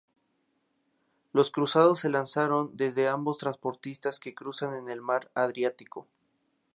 Los cruzados se lanzaron desde ambos transportistas que cruzan en el mar Adriático.